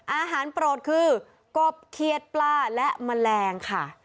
อาหารโปรดคือกบเคียดปลาและแมลงค่ะ